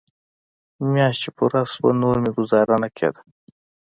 مياشت چې پوره سوه نور مې گوزاره نه کېده.